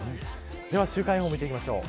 では週間予報を見ていきましょう。